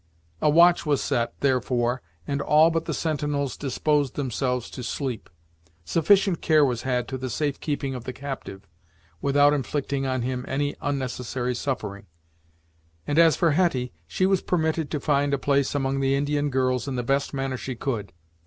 A watch was set, therefore, and all but the sentinels disposed themselves to sleep. Sufficient care was had to the safe keeping of the captive, without inflicting on him any unnecessary suffering; and, as for Hetty, she was permitted to find a place among the Indian girls in the best manner she could.